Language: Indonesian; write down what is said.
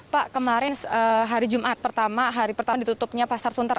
pak kemarin hari jumat pertama hari pertama ditutupnya pasar sunter